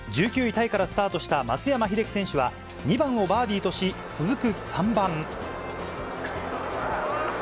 １９位タイからスタートした松山英樹選手は、２番をバーディーとし、続く３番。